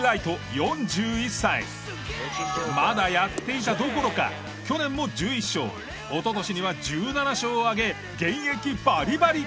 まだやっていたどころか去年も１１勝一昨年には１７勝を上げ現役バリバリ。